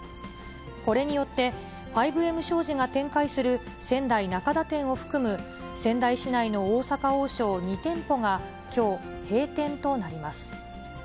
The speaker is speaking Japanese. これによって、ファイブエム商事が展開する仙台中田店を含む、仙台市内の大阪王将２店舗が、きょう閉店となります。